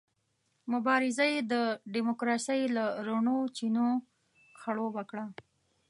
مبارزه یې د ډیموکراسۍ له رڼو چینو خړوبه کړه.